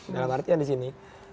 dalam arti yang di sini